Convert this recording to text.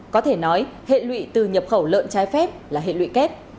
có thể nói hệ lụy từ nhập khẩu lợn trái phép là hệ lụy kép